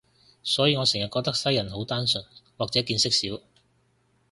所以我成日覺得西人好單純，或者見識少